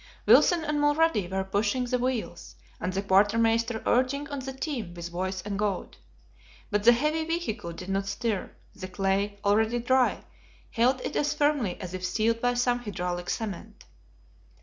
Wilson and Mulrady were pushing the wheels, and the quartermaster urging on the team with voice and goad; but the heavy vehicle did not stir, the clay, already dry, held it as firmly as if sealed by some hydraulic cement.